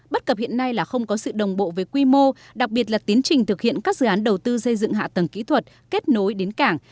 bất cập hiện nay là không có sự đồng bộ về quy mô đặc biệt là tiến trình thực hiện các dự án đầu tư xây dựng hạ tầng kỹ thuật kết nối đến cảng